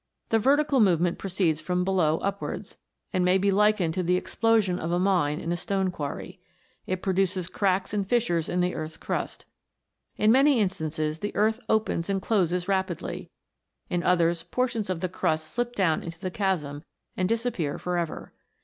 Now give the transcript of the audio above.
The vertical movement proceeds from below upwards, and may be likened to the explosion of a mine in a stone quarry. It produces cracks and fis sures in the earth's crust. In many instances, the earth opens and closes rapidly; in others, portions of the crust slip down into the chasm, and disappear for ever.